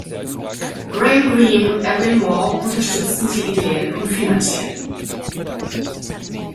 Graham Greene und Evelyn Waugh unterstützten sie ideell und finanziell.